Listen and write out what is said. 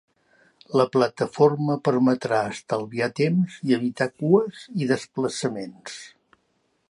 La plataforma permetrà estalviar temps i evitar cues i desplaçaments.